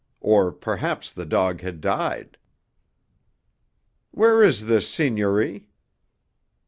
Or perhaps the dog had died!" "Where is this seigniory?"